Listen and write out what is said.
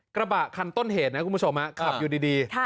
กระบะคันต้นเหตุนะคุณผู้ชมขับอยู่ดี